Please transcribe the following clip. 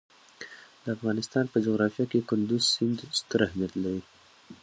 د افغانستان په جغرافیه کې کندز سیند ستر اهمیت لري.